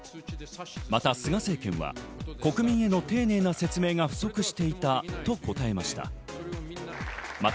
また菅政権は国民への丁寧な説明が不足していたと答えました。